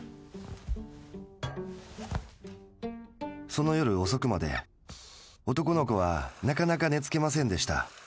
その夜遅くまで男の子はなかなか寝付けませんでした。